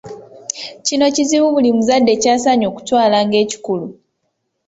Kino kizibu buli muzadde ky’asaanye okutwala ng’ekikulu.